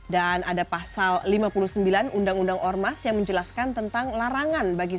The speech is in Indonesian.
dan ada pasal lima puluh sembilan undang undang ormas yang menjelaskan